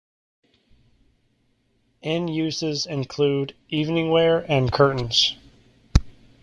End uses include eveningwear and curtains.